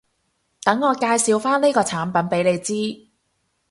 等我介紹返呢個產品畀你知